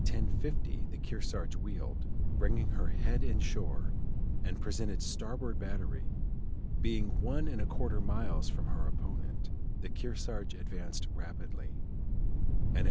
50 the Kearsarge wheeled, bringing her head in shore, and presented starboard battery, being one and a quarter miles from her opponent: the Kearsarge advanced rapidly, and at 10.